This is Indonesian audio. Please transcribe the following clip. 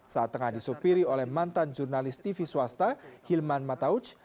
saat tengah disopiri oleh mantan jurnalis tv swasta hilman matauc